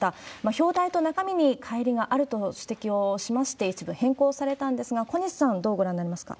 表題の中身にかい離があるとの指摘をしまして、一部けんこうされたんですが、小西さん、どうご覧になりますか？